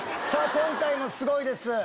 今回もすごいです！